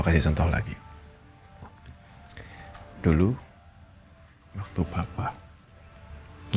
kalo kita berlindung di bawah pohon itu